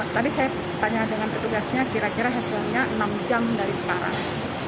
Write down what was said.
tadi saya tanya dengan petugasnya kira kira hasilnya enam jam dari semarang